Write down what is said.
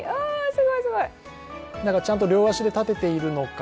ちゃんと両足で立てているのか、